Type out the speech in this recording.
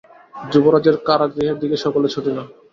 যুবরাজের কারাগৃহের দিকে সকলে ছুটিল।